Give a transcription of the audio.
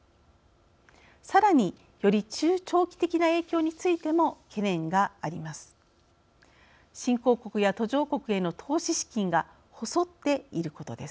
さらに、より中長期的な影響についても懸念があります。